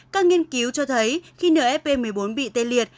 các nghiên cứu cho thấy khi nfp một mươi bốn bị tê liệt